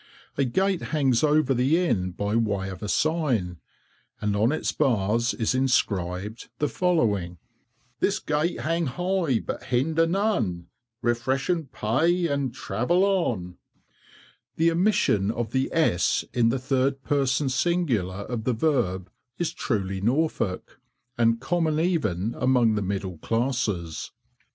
A gate hangs over the inn by way of a sign, and on its bars is inscribed the following— "This gate hang high But hinder none, Refresh and pay And travel on," The omission of the s in the third person singular of the verb is truly Norfolk, and common even among the middle classes.